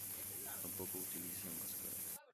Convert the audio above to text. Tampoco utilizan máscaras.